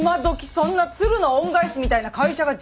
そんな「鶴の恩返し」みたいな会社が実在するなんて。